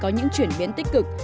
có những chuyển biến tích cực